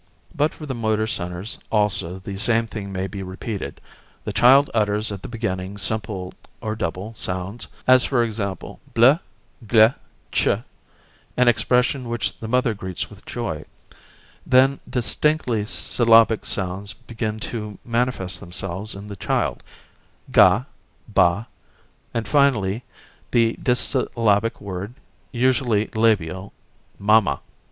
But for the motor centres also the same thing may be repeated; the child utters at the beginning simple or double sounds, as for example bl, gl, ch, an expression which the mother greets with joy; then distinctly syllabic sounds begin to manifest themselves in the child: ga, ba; and, finally, the dissyllabic word, usually labial: mama.